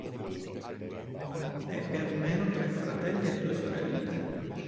Ebbe almeno tre fratelli e due sorelle.